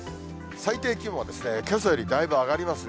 最低気温はけさよりだいぶ上がりますね。